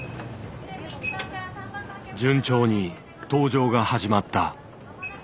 順調に搭乗が始まった。